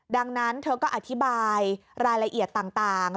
ดังนั้นเธอก็อธิบายรายละเอียดต่าง